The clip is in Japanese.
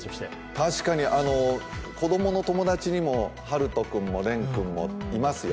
確かに、子供の友達にも陽翔君も蓮君もいますよ。